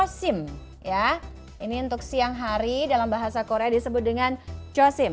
sim ya ini untuk siang hari dalam bahasa korea disebut dengan chosim